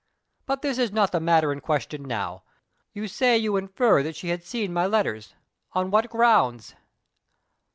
But this is not the matter in question now. You say you infer that she had seen my letters. On what grounds?"